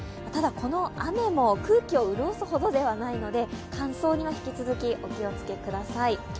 ただ、この雨も空気を潤すほどではないので乾燥には引き続きお気をつけください。